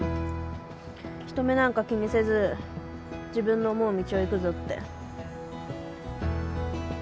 人目なんか気にせず自分の思う道を行くぞって。